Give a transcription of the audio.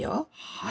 はい。